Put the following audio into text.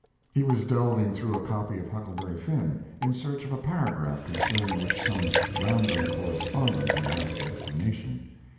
He was delving through a copy of Huckleberry Finn, in search of a paragraph concerning which some random correspondent had asked explanation.